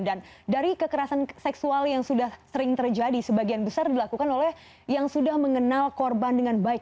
dan dari kekerasan seksual yang sudah sering terjadi sebagian besar dilakukan oleh yang sudah mengenal korban dengan baik